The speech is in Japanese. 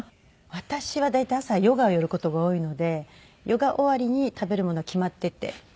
私は大体朝ヨガをやる事が多いのでヨガ終わりに食べるものは決まっていて。